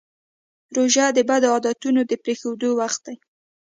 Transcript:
روژه د بدو عادتونو د پرېښودو وخت دی.